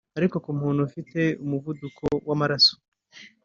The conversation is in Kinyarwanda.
Ariko ku muntu ufite umuvuduko w’amaraso